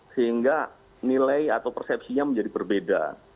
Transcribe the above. sehingga nilai atau persepsinya menjadi berbeda